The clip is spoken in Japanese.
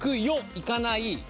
行かない。